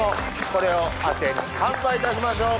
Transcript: これをアテに乾杯いたしましょう。